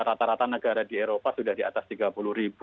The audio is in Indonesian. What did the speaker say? rata rata negara di eropa sudah di atas tiga puluh ribu